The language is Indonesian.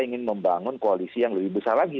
ingin membangun koalisi yang lebih besar lagi